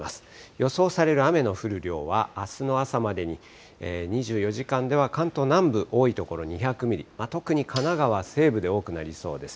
予想される雨の降る量は、あすの朝までに２４時間では関東南部、多い所２００ミリ、特に神奈川西部で多くなりそうです。